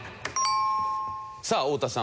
さあ太田さん